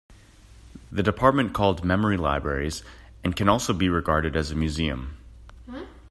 The department called memory libraries and can also be regarded as a museum.